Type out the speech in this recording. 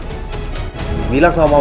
kalo dia neket ketengah rumah ini